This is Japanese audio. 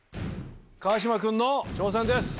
川島君の挑戦です。